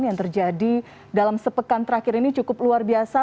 yang terjadi dalam sepekan terakhir ini cukup luar biasa